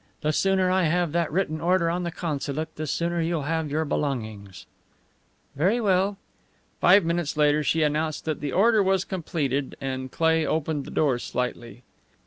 The sooner I have that written order on the consulate the sooner you'll have your belongings." "Very well." Five minutes later she announced that the order was completed, and Cleigh opened the door slightly.